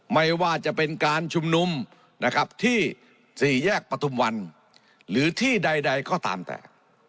ไม่ว่าจะเป็นการชุมนุมนะครับที่สี่แยกปฐุมวันหรือที่ใดก็ตามแต่